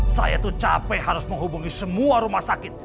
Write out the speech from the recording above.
saya itu capek harus menghubungi semua rumah sakit